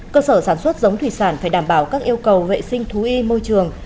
cơ sở sản xuất giống thủy sản phải đảm bảo các yêu cầu vệ sinh thú y môi trường